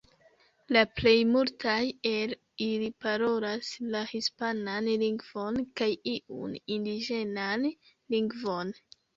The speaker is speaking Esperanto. La plej multaj el ili parolas la hispanan lingvon kaj iun indiĝenan lingvon.